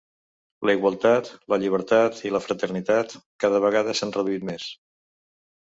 La igualtat, la llibertat i la fraternitat cada vegada s’han reduït més.